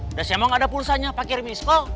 udah siapa gak ada pulsanya pak kiremi sekolah